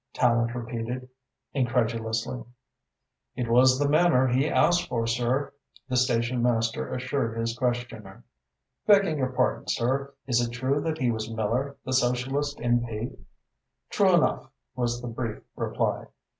Tallente repeated incredulously. "It was the Manor he asked for, sir," the station master assured his questioner. "Begging your pardon, sir, is it true that he was Miller, the Socialist M.P.?" "True enough," was the brief reply.